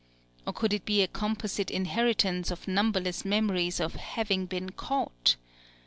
Or could it be a composite inheritance of numberless memories of having been caught?